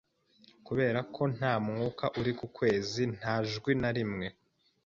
Kubera ko nta mwuka uri ku kwezi, nta jwi na rimwe.